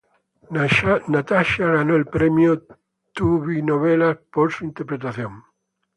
Natasha ganó el premio TvyNovelas por su interpretación.